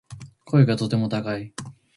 声がとても高い